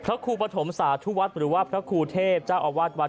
พระครูปฐมศาสตร์ทุวัฒน์หรือว่าพระครูเทพศ์เจ้าอวัดวัด